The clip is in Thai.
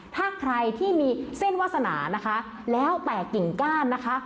ถ้าใครที่มีเส้นวาสนานะคะแล้วแต่กิ่งก้านนะคะ